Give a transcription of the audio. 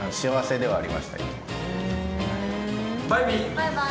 バイバイ！